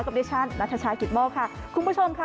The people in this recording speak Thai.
ดิฉันนัทชายกิตโมกค่ะคุณผู้ชมค่ะ